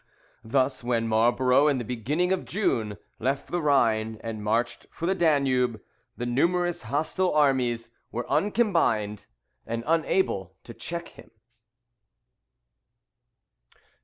Thus, when Marlborough, at the beginning of June, left the Rhine and marched for the Danube, the numerous hostile armies were uncombined, and unable to check him.